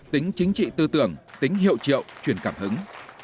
tính chính trị tư tưởng tính hiệu triệu chuyển cảm hứng